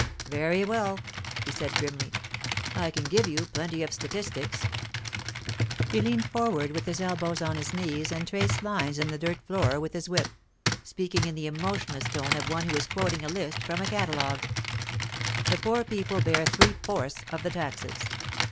Very well,' he said grimly; 'I can give you plenty of statistics.' He leaned forward with his elbows on his knees and traced lines in the dirt floor with his whip, speaking in the emotionless tone of one who is quoting a list from a catalogue. 'The poor people bear three fourths of the taxes.